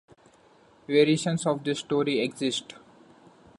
Variations of this story exist.